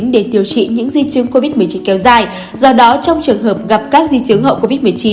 để điều trị những di chứng covid một mươi chín kéo dài do đó trong trường hợp gặp các di chứng hậu covid một mươi chín